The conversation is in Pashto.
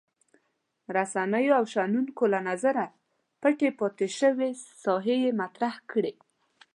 رسنیو او شنونکو له نظره پټې پاتې شوې ساحې یې مطرح کړې.